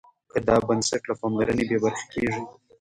که دا بنسټ له پاملرنې بې برخې کېږي.